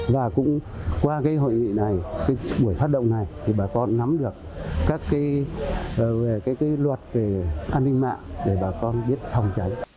và cũng qua hội nghị này buổi phát động này bà con nắm được các luật an ninh mạng để bà con biết phòng tránh